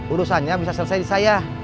urusannya bisa selesai di saya